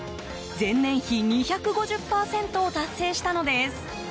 前年比２５０％を達成したのです。